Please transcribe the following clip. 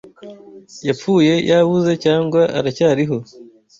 Yapfuye yabuze cyangwa aracyariho